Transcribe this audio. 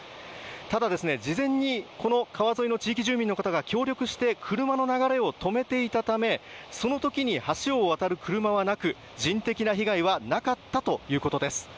ただ、事前に川沿いの地域住民の方が協力して車の流れを止めていたためその時に橋を渡る車はなく人的な被害はなかったということです。